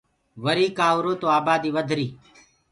وريٚ ڪآ هُرو تو آباديٚ وڌريٚ۔